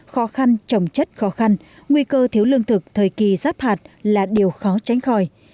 khó khăn trồng chất khó khăn nguy cơ thiếu lương thực thời kỳ giáp hạt là điều khó tránh khỏi